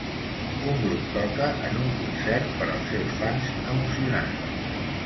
Un grup toca en un concert per als seus fans emocionats.